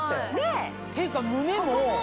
っていうか胸も。